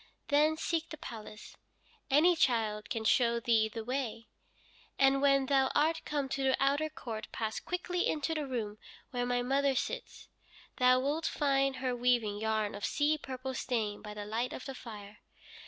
Then seek the palace any child can show thee the way and when thou art come to the outer court pass quickly into the room where my mother sits. Thou wilt find her weaving yarn of sea purple stain by the light of the fire.